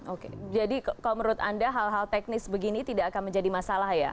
oke jadi kalau menurut anda hal hal teknis begini tidak akan menjadi masalah ya